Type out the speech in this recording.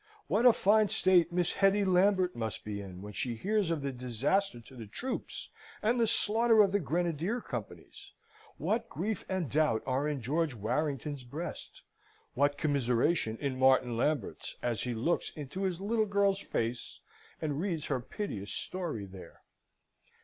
What a fine state Miss Hetty Lambert must be in, when she hears of the disaster to the troops and the slaughter of the grenadier companies! What grief and doubt are in George Warrington's breast; what commiseration in Martin Lambert's, as he looks into his little girl's face and reads her piteous story there!